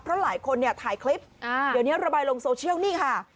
เพราะหลายคนเนี่ยถ่ายคลิปเดี๋ยวนี้ระบายลงโซเชียลนี่ค่ะ